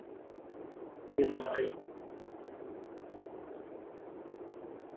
Ongeza mayai kwenye mchanganyiko wa mafuta na sukari na kukoroga